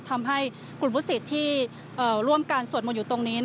ทำให้กลุ่มผู้สิทธิ์ที่ร่วมการสวดมนต์อยู่ตรงนี้